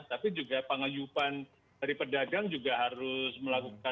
tapi juga pengejupan dari pedagang juga harus melakukan reorganisasi